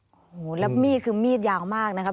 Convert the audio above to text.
โอ้โหแล้วมีดคือมีดยาวมากนะครับ